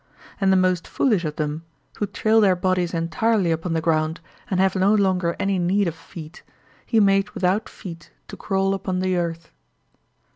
And the most foolish of them, who trail their bodies entirely upon the ground and have no longer any need of feet, he made without feet to crawl upon the earth.